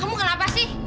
kamu kenapa sih